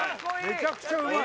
めちゃくちゃうまい！